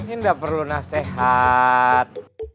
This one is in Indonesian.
ini gak perlu nasihat